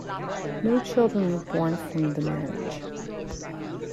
No children were born from the marriage.